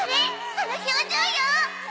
その表情よ！